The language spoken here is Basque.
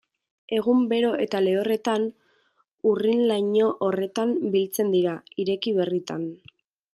Egun bero eta lehorretan urrin-laino horretan biltzen dira, ireki berritan.